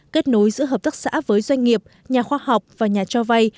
kết nối giữa hợp tác xã với doanh nghiệp nhà khoa học và nhà cho vay